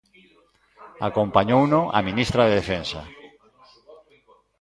Acompañouno a ministra de Defensa.